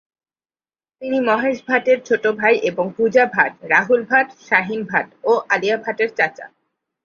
তিনি মহেশ ভাটের ছোট ভাই এবং পূজা ভাট, রাহুল ভাট, শাহিন ভাট ও আলিয়া ভাটের চাচা।